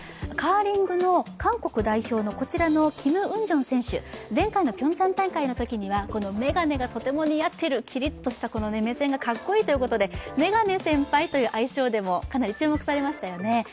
カーリングの韓国代表のこちらのキム・ウンジョン選手、前回のピョンチャン大会のときには眼鏡がとても似合ってる、キリッとした目線がかっこいいということでメガネ先輩という愛称でもかなり注目されましたよね。